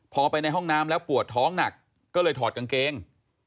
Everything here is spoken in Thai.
พอไปในห้องน้ำแล้วปวดท้องหนักก็เลยถอดกางเกง